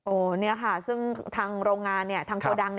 โอ้นี่ค่ะซึ่งทางโรงงานทางโตรดัง